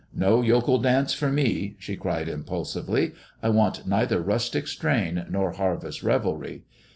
" No yokel dance for me," she cried impulsively. " I want neither rustic strain nor harvest revelry.